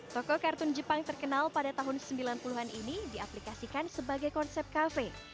toko kartun jepang terkenal pada tahun sembilan puluh an ini diaplikasikan sebagai konsep kafe